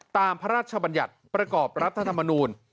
พระราชบัญญัติประกอบรัฐธรรมนูล